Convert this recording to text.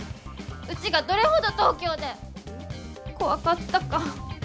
うちがどれほど東京で怖かったか。